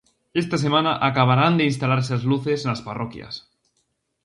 Esta semana acabarán de instalarse as luces nas parroquias.